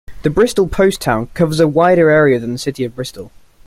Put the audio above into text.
The Bristol post town covers a wider area than the city of Bristol.